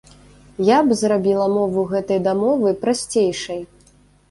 Я б зрабіла мову гэтай дамовы прасцейшай.